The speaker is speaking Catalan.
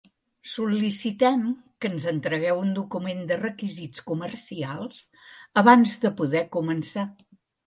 Sol·licitem que ens entregueu un document de requisits comercials abans de poder començar.